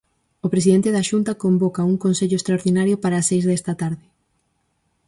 O presidente da Xunta convoca un Consello extraordinario para as seis desta tarde.